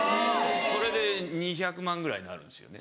・それで２００万ぐらいになるんですよね。